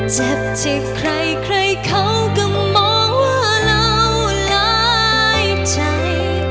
เจ็บเจ็บใครใครเขาก็มองว่าเราหลายใจ